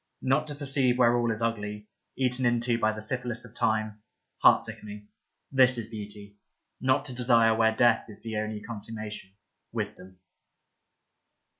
Not to per ceive where all is ugly, eaten into by the syphilis of time, heart sickening — this is beauty ; not to desire where death is the only con summation — wisdom